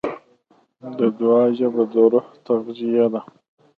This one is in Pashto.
د دعا ژبه د روح تغذیه ده.